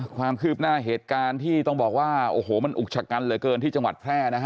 ความคืบหน้าเหตุการณ์ที่ต้องบอกว่าโอ้โหมันอุกชะกันเหลือเกินที่จังหวัดแพร่นะฮะ